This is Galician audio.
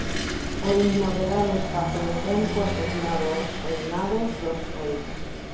O inmoderado espazo de tempo asignado ós reinados dos reis.